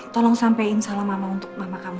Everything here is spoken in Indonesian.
tolong sampein salam mama untuk mama kamu